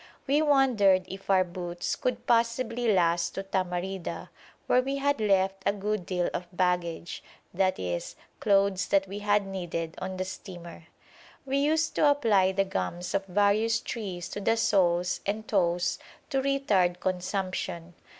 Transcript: We wondered if our boots could possibly last to Tamarida where we had left a good deal of baggage, i.e. clothes that we had needed on the steamer. We used to apply the gums of various trees to the soles and toes to retard consumption.